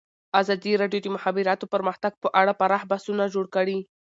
ازادي راډیو د د مخابراتو پرمختګ په اړه پراخ بحثونه جوړ کړي.